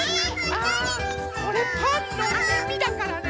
あこれパンのみみだからね。